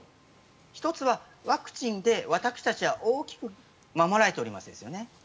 １つは、ワクチンで私たちは大きく守られておりますよね。